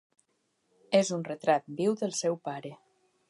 És un retrat viu del seu pare.